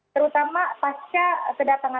terutama pasca kedatangan